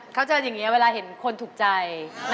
เขาเจออย่างนี้เวลาเห็นคนถูกใจ